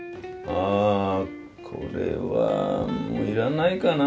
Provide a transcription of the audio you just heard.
あこれはもう要らないかな。